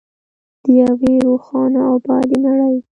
د یوې روښانه او ابادې نړۍ.